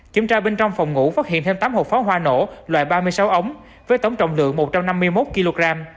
kiểm tra bên trong phòng ngủ phát hiện thêm tám hộp pháo hoa nổ loại ba mươi sáu ống với tổng trọng lượng một trăm năm mươi một kg